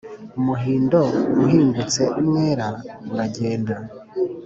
Umuhindo uhingutse umwera uragenda